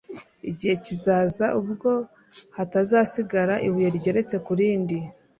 igihe kizaza ubwo hatazasigara ibuye rigeretse ku rindi